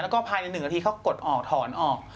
แล้วก็ภายใน๑นาทีเขากดออกถอนออก